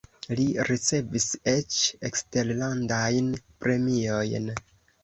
Li ricevis eĉ eksterlandajn premiojn.